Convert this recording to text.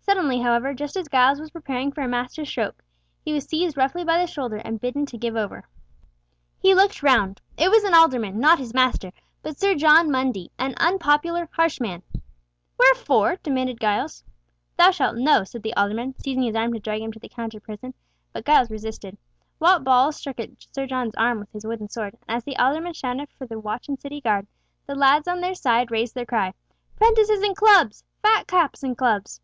Suddenly, however, just as Giles was preparing for a master stroke, he was seized roughly by the shoulder and bidden to give over. He looked round. It was an alderman, not his master, but Sir John Mundy, an unpopular, harsh man. "Wherefore?" demanded Giles. "Thou shalt know," said the alderman, seizing his arm to drag him to the Counter prison, but Giles resisted. Wat Ball struck at Sir John's arm with his wooden sword, and as the alderman shouted for the watch and city guard, the lads on their side raised their cry, "Prentices and Clubs! Flat caps and Clubs!"